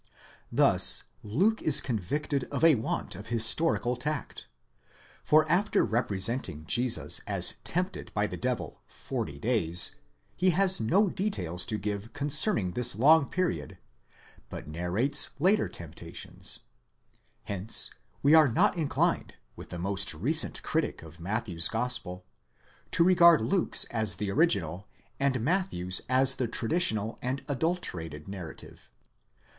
Thus Luke is convicted of a want of historical tact; for after representing Jesus as. tempted by the devil forty days, he has no details to give concerning this long period, but narrates later temptations ; hence we are not inclined, with the most recent critic of Matthew's Gospel, to regard Luke's as the original, and Matthew's as the traditional and adulterated narrative.